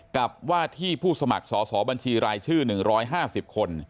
กับว่าที่ผู้สมัครสอบบัญชีรายชื่อ๑๕๐คน